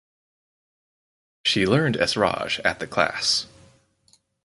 She learned esraj at the class.